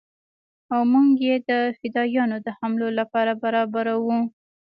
او موږ يې د فدايانو د حملو لپاره برابرو.